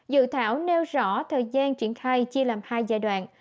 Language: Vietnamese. dự thảo nêu rõ thời gian triển khai chia làm hai giai đoạn